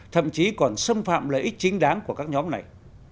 thậm chí còn xâm phạm lợi ích chính đáng của các nhóm này